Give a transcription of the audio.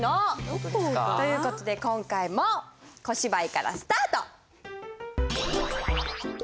どこが？という事で今回も小芝居からスタート！